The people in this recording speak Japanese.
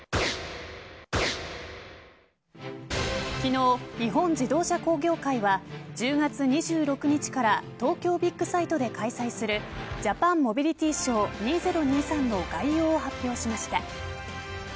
昨日、日本自動車工業会は１０月２６日から東京ビッグサイトで開催するＪＡＰＡＮＭＯＢＩＬＩＴＹＳＨＯＷ２０２３の概要を発表しました。